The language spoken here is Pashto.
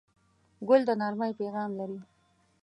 ګل د نرمۍ پیغام لري.